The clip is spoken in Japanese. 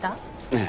ええ。